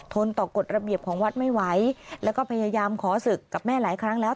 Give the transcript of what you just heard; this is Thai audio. ต่อกฎระเบียบของวัดไม่ไหวแล้วก็พยายามขอศึกกับแม่หลายครั้งแล้ว